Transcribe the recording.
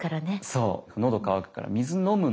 そう。